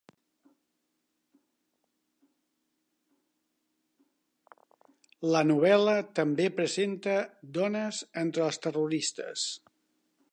La novel·la també presenta dones entre els terroristes.